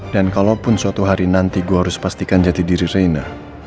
dan kalaupun suatu hari nanti gue harus pastikan jati diri reina